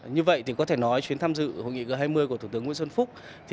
như vậy thì có thể nói chuyến tham dự hội nghị g hai mươi của thủ tướng nguyễn xuân phúc